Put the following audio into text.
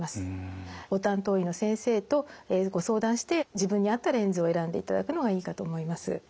ご担当医の先生とご相談して自分に合ったレンズを選んでいただくのがいいかと思います。